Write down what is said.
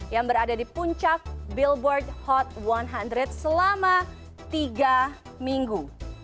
yang berada di puncak billboard hot satu ratus selama tiga minggu